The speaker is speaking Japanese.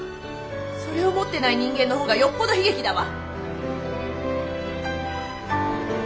それを持ってない人間の方がよっぽど悲劇だわ。